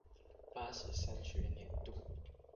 八十三學年度